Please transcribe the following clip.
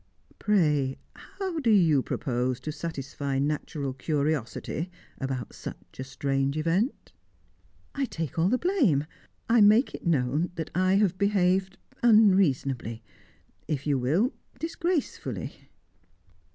Pray, how do you propose to satisfy natural curiosity about such a strange event?" "I take all the blame. I make it known that I have behaved unreasonably; if you will disgracefully."